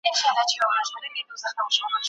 سکندر به رسېدلی وي که نه وي؟